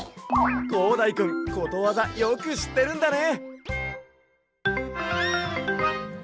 こうだいくんことわざよくしってるんだね。